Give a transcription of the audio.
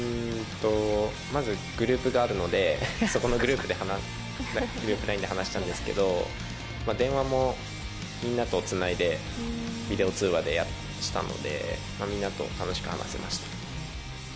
まずグループがあるのでそこのグループＬＩＮＥで話したんですけど電話もみんなとつないでビデオ通話でしたのでみんなと楽しく話せました。